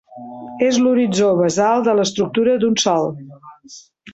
És l'horitzó basal de l'estructura d'un sòl.